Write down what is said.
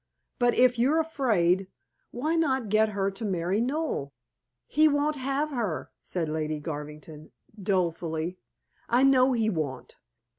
But if you're afraid, why not get her to marry Noel?" "He won't have her," said Lady Garvington dolefully. "I know he won't.